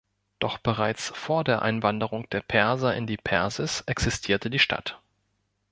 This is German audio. Doch bereits vor der Einwanderung der Perser in die Persis existierte die Stadt.